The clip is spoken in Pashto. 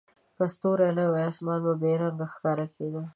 که ستوري نه وای، اسمان به بې رنګه ښکاره کېده.